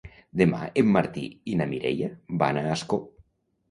Demà en Martí i na Mireia van a Ascó.